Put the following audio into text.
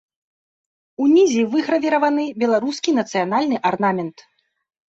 Унізе выгравіраваны беларускі нацыянальны арнамент.